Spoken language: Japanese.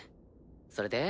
それで？